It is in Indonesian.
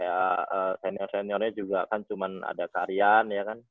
kayak senior seniornya juga kan cuman ada karian ya kan